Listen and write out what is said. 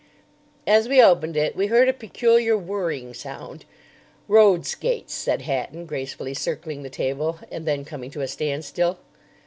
As we opened it we heard a peculiar whirring sound. "Road skates," said Hatton, gracefully circling the table and then coming to a standstill.